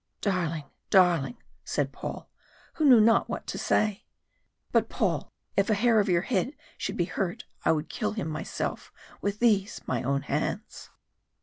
"Darling, darling " said Paul, who knew not what to say. "But, Paul, if a hair of your head should be hurt, I would kill him myself with these my own hands."